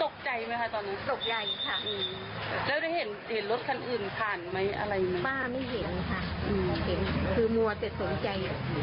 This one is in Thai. คือมัวจะสนใจรถแบบนี้ที่เขาลอยฝ่านร้านเรา